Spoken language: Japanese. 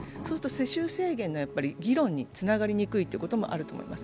世襲制限の議論につながりにくいということがあると思います。